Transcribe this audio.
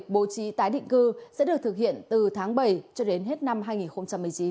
bố trí tái định cư sẽ được thực hiện từ tháng bảy cho đến hết năm hai nghìn một mươi chín